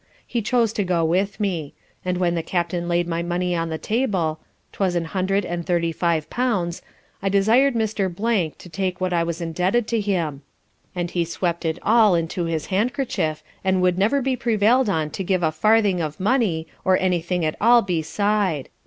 He chose to go with me; and when the Captain laid my money on the table ('twas an hundred and thirty five pounds) I desir'd Mr. to take what I was indebted to him; and he swept it all into his handkerchief, and would never be prevail'd on to give a farthing of money, nor any thing at all beside.